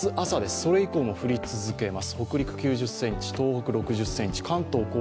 それ以降も降り続けます。